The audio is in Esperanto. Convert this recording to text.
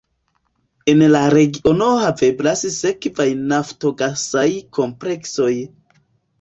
En la regiono haveblas sekvaj naftogasaj kompleksoj.